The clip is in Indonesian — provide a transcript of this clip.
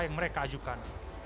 yang mereka ajukan